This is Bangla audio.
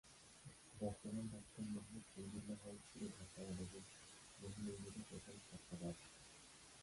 বর্তমান ডাক্তার মুহম্মদ শহীদুল্লাহ হল ছিল ঢাকা কলেজের জন্য নির্মিত প্রথম ছাত্রাবাস।